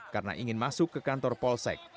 karena ingin masuk ke kantor polsek